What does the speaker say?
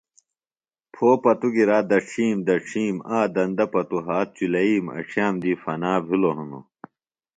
پھو پتوۡ گِرا دڇِھیم دڇِھیم آ دندہ پتوۡ ہات چُلئِیم اڇِھیئم دی فنا بِھلوۡ ہنوۡ